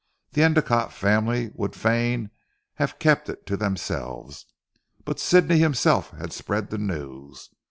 The Endicotte family would fain have kept it to themselves; but Sidney himself had spread the news.